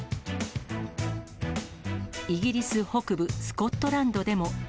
イギリス北部、スコットランドでも。